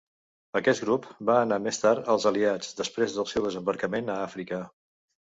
Aquest "grup" va anar més tard als Aliats després del seu desembarcament a Àfrica.